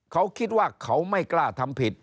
เขาคิดว่าเขาไม่กล้าทำผิด